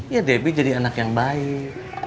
ya debbie jadi anak yang baik